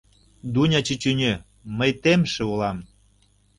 — Дуня чӱчӱньӧ, мый темше улам!